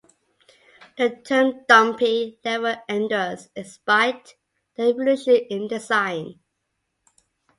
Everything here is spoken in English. The term dumpy level endures despite the evolution in design.